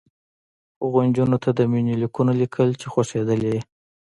هغو نجونو ته د مینې لیکونه لیکل چې خوښېدلې یې